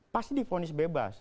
pasti di ponis bebas